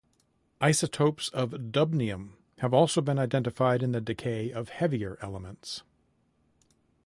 Isotopes of dubnium have also been identified in the decay of heavier elements.